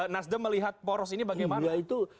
nasdem melihat poros ini bagaimana itu